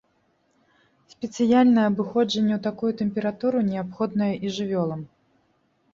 Спецыяльнае абыходжанне ў такую тэмпературу неабходнае і жывёлам.